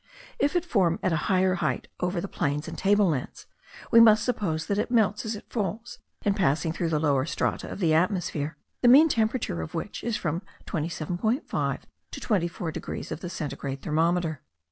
If it form at an equal height over plains and table lands, we must suppose that it melts as it falls, in passing through the lowest strata of the atmosphere, the mean temperature of which is from 27.5 to 24 degrees of the centigrade thermometer.